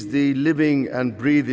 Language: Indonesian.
jika tradisi anda bersejarah